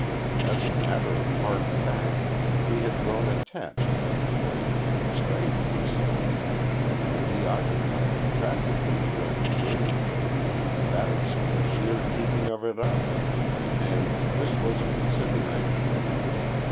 As a matter of hard fact he had grown attached to Heath Hover strangely so and he occupied it practically rent free, that was for the sheer keeping of it up; and this was a consideration.